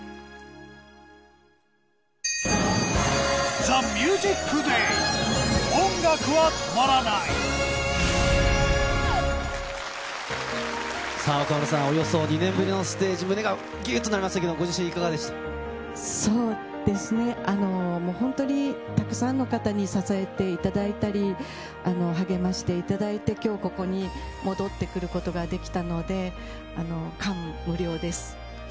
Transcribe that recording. ＴＨＥＭＵＳＩＣＤＡＹさあ、岡村さん、およそ２年ぶりのステージ、胸がぎゅっとなりましたけれども、ご自身、そうですね、もう本当にたくさんの方に支えていただいたり、励ましていただいて、きょうここに戻ってくることができたので、感無量です。